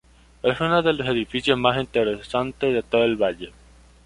Es uno de los edificios más interesantes de todo el valle.